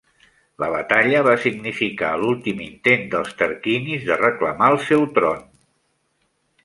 La batalla va significar l'últim intent dels tarquinis de reclamar el seu tron.